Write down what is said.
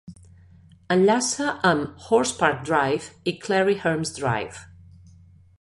Enllaça amb Horse Park Drive i Clarrie Hermes Drive.